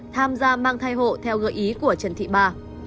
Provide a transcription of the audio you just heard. tham gia mang thai hộ theo gợi ý của trần thị ba